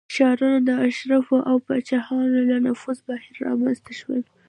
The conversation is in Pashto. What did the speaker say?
ښارونه د اشرافو او پاچاهانو له نفوذ بهر رامنځته شول